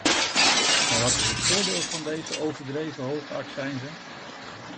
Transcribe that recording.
En wat is het voordeel van deze overdreven hoge accijnzen?